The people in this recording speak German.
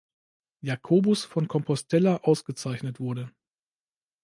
Jakobus von Compostela ausgezeichnet wurde.